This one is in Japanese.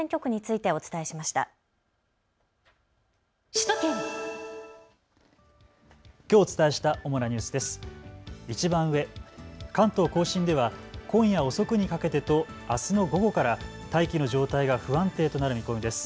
いちばん上、関東甲信では今夜遅くにかけてとあすの午後から大気の状態が不安定となる見込みです。